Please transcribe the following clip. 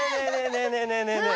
ねえねえねえねえ！